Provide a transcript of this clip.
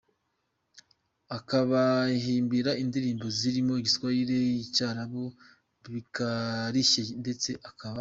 akabahimbira indirimbo zirimo Igiswahili nIcyarabu bikarishye ndetse akaba.